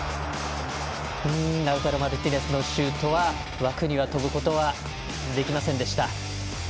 ラウタロ・マルティネスのシュートは枠に飛ばすことはできませんでした。